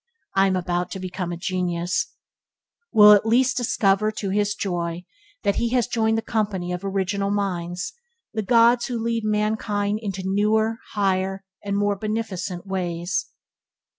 "I am about to become a genius" will at least discover, to his joy, that he has joined the company of original minds, the gods who lead mankind into newer, higher, and more beneficent ways.